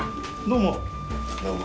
どうも。